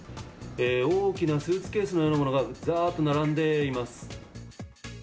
大きなスーツケースのようなものがざーっと並んでいます。